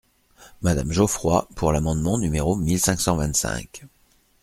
Madame Geoffroy, pour l’amendement numéro mille cinq cent vingt-cinq.